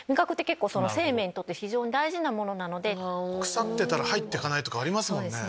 腐ってたら入ってかないとかありますもんね。